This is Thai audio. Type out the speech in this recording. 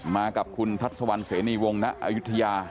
มากับคุณทัศน์สวรรค์เสนียวงศ์นะอายุธยา